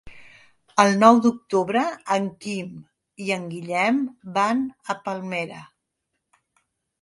El nou d'octubre en Quim i en Guillem van a Palmera.